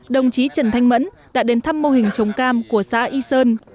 đồng chí trần thanh mẫn đã đến thăm mô hình trồng cam của xã y sơn